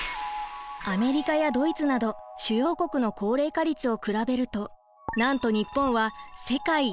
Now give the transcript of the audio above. アメリカやドイツなど主要国の高齢化率を比べるとなんと日本は世界一！